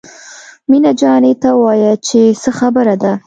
مينه جانې ته ووايه چې څه خبره ده.